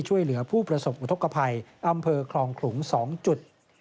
ช่วยเหลือผู้ประสบอุทธกภัยอำเภอคลองขลุง๒จุด